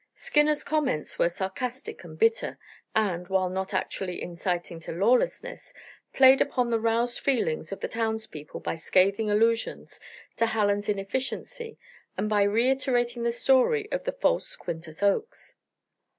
Skinner's comments were sarcastic and bitter, and, while not actually inciting to lawlessness, played upon the roused feelings of the towns people by scathing allusions to Hallen's inefficiency, and by reiterating the story of the false Quintus Oakes.